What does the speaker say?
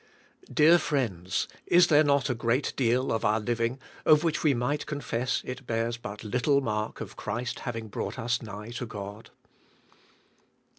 Dear friends, is there not a great deal of our living of which we might confess it bears but little mark of Christ having brought us nigh to God.